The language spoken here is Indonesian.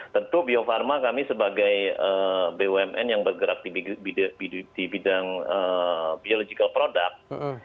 tentu bio farma kami sebagai bumn yang bergerak di bidang biological product